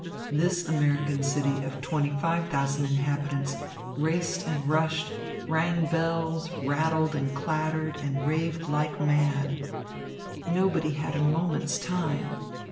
This American city of twenty five thousand inhabitants raced and rushed, rang bells, rattled and clattered and raved like mad. Nobody had a moment's time.